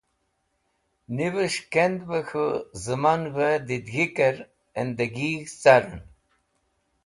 Nives̃h kend bẽ k̃hũ zẽmanvẽ didẽg̃hikẽr ẽndegig̃h carẽn.